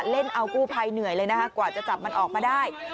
เล่นเอากู้ภัยเหนื่อยเลยนะคะกว่าจะจับมันออกมาได้